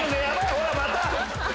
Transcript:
ほらまた。